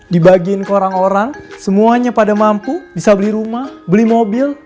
dibagiin ke orang orang semuanya pada mampu bisa beli rumah beli mobil